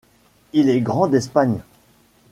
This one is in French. Il est grand d’Espagne.